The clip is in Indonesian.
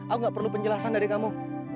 aku gak perlu penjelasan dari kamu